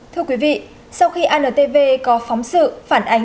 thưa quý vị sau khi antv có phóng sự phản ánh